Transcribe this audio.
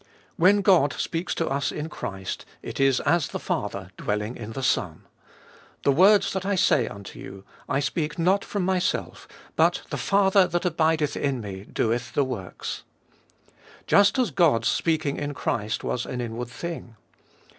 When God speaks to us in Christ it is as the Father dwelling in the Son. " The words that I say unto you, I speak not from Myself, but the Father abideth in Me doeth the works." Just as God's speaking in Christ was an inward thing.